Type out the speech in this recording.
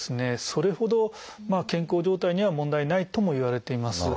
それほど健康状態には問題ないともいわれています。